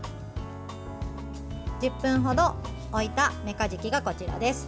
１０分ほど置いためかじきがこちらです。